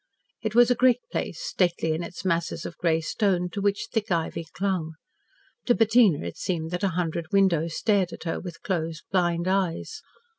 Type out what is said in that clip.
It was a great place, stately in its masses of grey stone to which thick ivy clung. To Bettina it seemed that a hundred windows stared at her with closed, blind eyes.